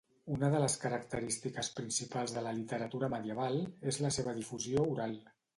Una de les característiques principals de la literatura medieval és la seva difusió oral.